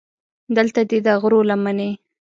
دلته دې د غرو لمنې.